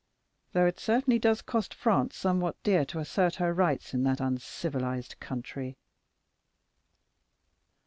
Though it certainly does cost France somewhat dear to assert her rights in that uncivilized country.